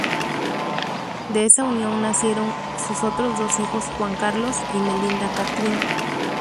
De esa unión nacieron sus otros dos hijos Juan Carlos y Melinda Kathleen.